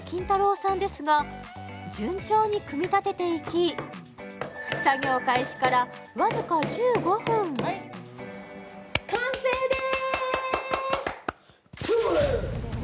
さんですが順調に組み立てていき作業開始からわずか１５分完成です！